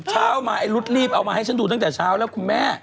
เช้ามาไอ้รุ๊ดรีบเอามาให้ฉันดูตั้งแต่เช้าแล้วคุณแม่